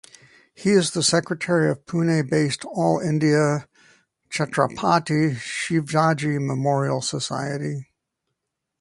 He is the secretary of Pune based All India Chhatrapati Shivaji Memorial Society.